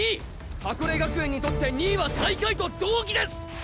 箱根学園にとって２位は最下位と同義です！